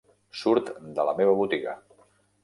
Surt de la meva botiga.